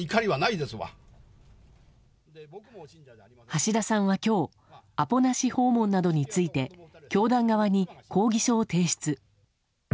橋田さんは、今日アポなし訪問などについて教団側に抗議書を提出。